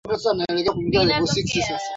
katika kipindi cha mwaka elfu mbili na kumi